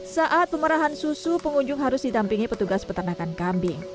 saat memerahan susu pengunjung harus ditampingi petugas peternakan kambing